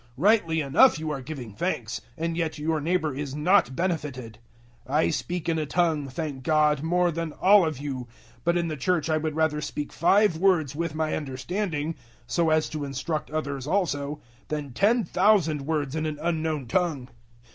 014:017 Rightly enough you are giving thanks, and yet your neighbor is not benefited. 014:018 I speak in a tongue, thank God, more than all of you; 014:019 but in the Church I would rather speak five words with my understanding so as to instruct others also than ten thousand words in an unknown tongue.